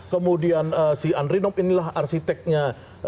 kemudian si andri nob inilah arsiteknya